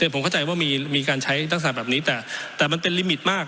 ผมเข้าใจว่ามีการใช้ทักษะแบบนี้แต่มันเป็นลิมิตมาก